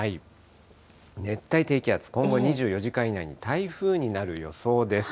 熱帯低気圧、今後２４時間以内に台風になる予想です。